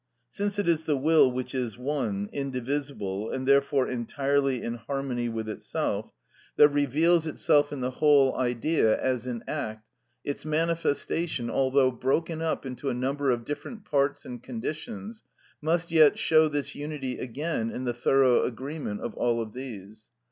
Since it is the will which is one, indivisible, and therefore entirely in harmony with itself, that reveals itself in the whole Idea as in act, its manifestation, although broken up into a number of different parts and conditions, must yet show this unity again in the thorough agreement of all of these.